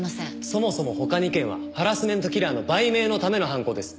そもそも他２件はハラスメントキラーの売名のための犯行です。